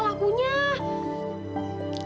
kamu gak usah khawatir